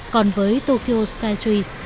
còn với tokyo skytrees